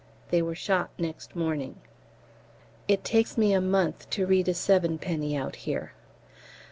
They were shot next morning. It takes me a month to read a Sevenpenny out here.